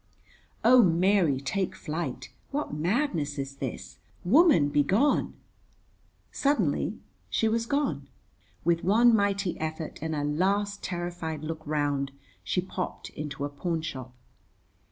Oh, Mary, take flight. What madness is this? Woman, be gone. Suddenly she was gone. With one mighty effort and a last terrified look round, she popped into a pawnshop.